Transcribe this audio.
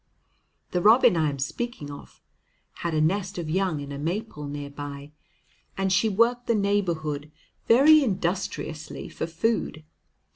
The robin I am speaking of had a nest of young in a maple near by, and she worked the neighborhood very industriously for food.